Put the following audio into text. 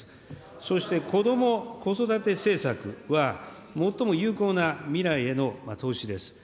そしてこども・子育て政策は、最も有効な未来への投資です。